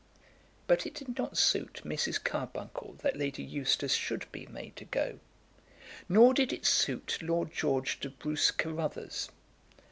But it did not suit Mrs. Carbuncle that Lady Eustace should be made to go; nor did it suit Lord George de Bruce Carruthers.